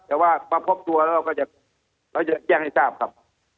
แต่ว่าพบตัวเราก็จะแจ้งให้จ้าบครับ